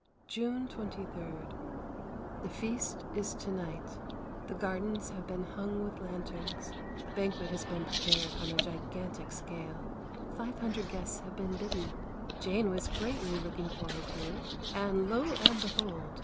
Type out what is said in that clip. June 23. The feast is to night. The gardens have been hung with lanterns: a banquet has been prepared on a gigantic scale. Five hundred guests have been bidden. Jane was greatly looking forward to it and lo and behold!